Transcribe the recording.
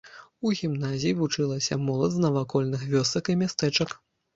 У гімназіі вучылася моладзь з навакольных вёсак і мястэчак.